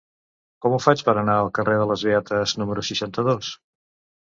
Com ho faig per anar al carrer de les Beates número seixanta-dos?